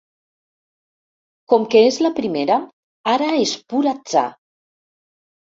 Com que és la primera, ara és pur atzar.